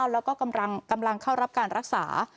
แล้วก็กำลังเข้ารับการรักษา